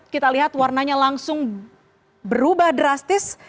kita lihat warnanya langsung berubah drastis